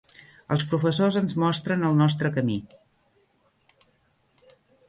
Els professors ens mostren el nostre camí.